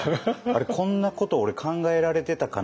あれこんなこと俺考えられてたかな？